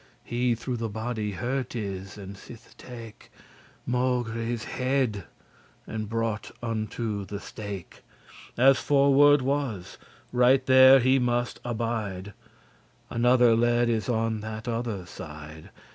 He through the body hurt is, and *sith take*, *afterwards captured* Maugre his head, and brought unto the stake, As forword* was, right there he must abide. *covenant Another led is on that other side.